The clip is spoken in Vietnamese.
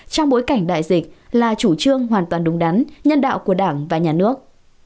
trong bối cảnh đại dịch là chủ trương hoàn toàn đúng đắn nhân đạo của đảng và nhà nước